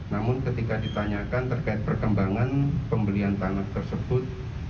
namun ketika ditanyakan terkait perkembangan pembelian tanah tersebut